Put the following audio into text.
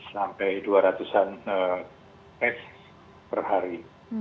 satu ratus delapan puluh sampai dua ratus an tes per hari